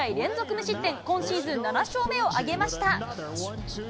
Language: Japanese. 無失点、今シーズン７勝目を挙げました。